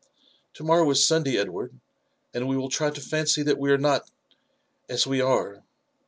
"To morrow is Sunday, Edward, and we will try to feincy that we are not— as we are.